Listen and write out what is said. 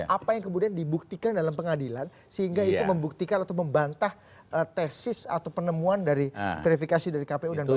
apa yang kemudian dibuktikan dalam pengadilan sehingga itu membuktikan atau membantah tesis atau penemuan dari verifikasi dari kpu dan bawaslu